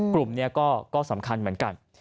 กลุ่มนี้ก็สำคัญเหมือนกัน